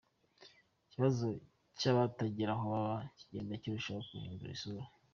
Ikibazo cy’abatagira aho baba kigenda kirushaho guhindura isura.